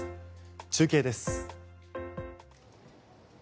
中継です。